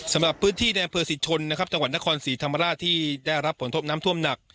สำหรับพื้นที่ในอำเภอศรีชนนะครับจังหวัดนครศรีธรรมราชที่ได้รับผลทบน้ำท่วมหนัก